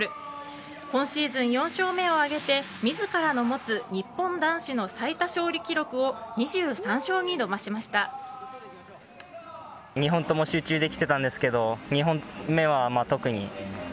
今シーズン４勝目を挙げて自らの持つ日本男子の最多勝利記録を２３勝に伸ばしました。